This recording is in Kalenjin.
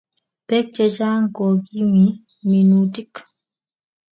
peek chechang kongmey minutiik